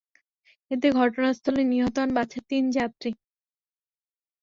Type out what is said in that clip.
এতে ঘটনাস্থলে নিহত হন বাসের তিন যাত্রী।